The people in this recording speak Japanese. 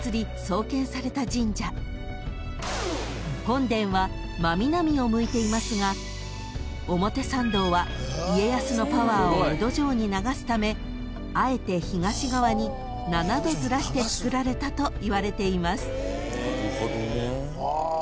［本殿は真南を向いていますが表参道は家康のパワーを江戸城に流すためあえて東側に７度ずらして造られたといわれています］